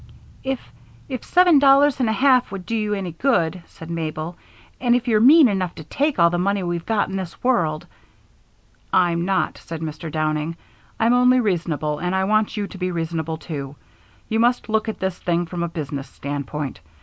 "If if seven dollars and a half would do you any good," said Mabel, "and if you're mean enough to take all the money we've got in this world " "I'm not," said Mr. Downing. "I'm only reasonable, and I want you to be reasonable too. You must look at this thing from a business standpoint.